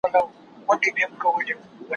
زه اجازه لرم چي وخت تېرووم